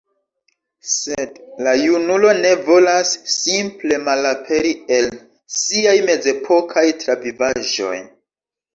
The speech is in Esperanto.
Sed la junulo ne volas simple malaperi el siaj mezepokaj travivaĵoj.